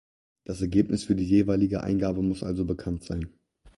Das Ergebnis für die jeweilige Eingabe muss also bekannt sein.